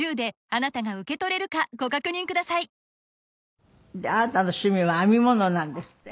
あなたの趣味は編み物なんですって？